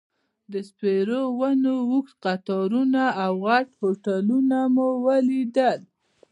د سپیرو ونو اوږد قطارونه او غټ هوټلونه مو لیدل.